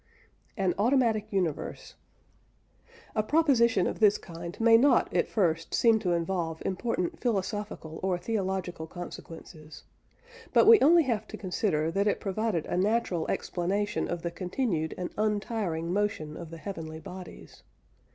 AN AUTOMATIC UNIVERSE. A proposition of this kind may not at first seem to involve important philosophical or theological consequences. But we only have to consider that it provided a natural explanation of the continued and untiring motion of the heavenly bodies.